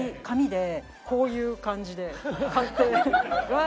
こういう感じで買って。